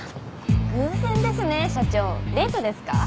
偶然ですね社長デートですか？